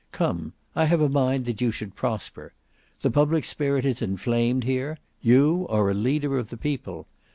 Come, I have a mind that you should prosper. The public spirit is inflamed here; you are a leader of the people.